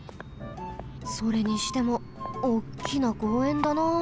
それにしてもおっきな公園だな。